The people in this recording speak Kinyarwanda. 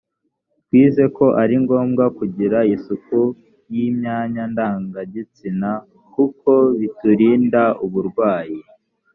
twize ko ari ngombwa kugira isuku y imyanya ndangagitsina kuko biturinda uburwayi